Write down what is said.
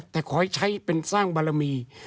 แต่ขอให้ใช้เป็นสร้างบารมี